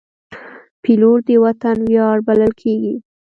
پیلوټ د وطن ویاړ بلل کېږي.